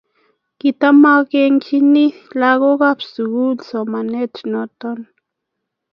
kitamagengiy lagookab sugul somananatok